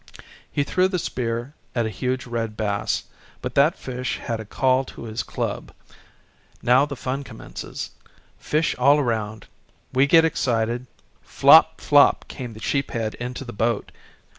He threw the spear at a huge red bass, but that fish had a call to his club. Now the fun commences, fish all around; we get excited, flop, flop, came the sheephead into the boat.